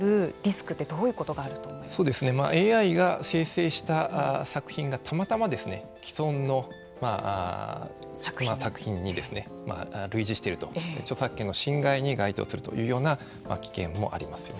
今後、考えられるリスクってＡＩが生成した作品がたまたま既存の作品に類似していると著作権の侵害に該当するというような場合もありますよね。